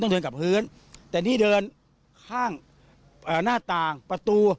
ได้ที่เดินข้างหน้าต่างประตู